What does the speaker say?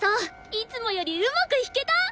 いつもよりうまく弾けた！